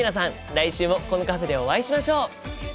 来週もこのカフェでお会いしましょう！